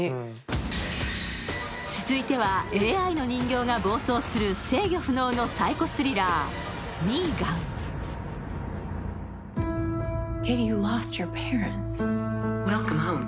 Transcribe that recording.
続いては、ＡＩの人形が暴走する制御不能のサイコスリラー「Ｍ３ＧＡＮ／ミーガン」。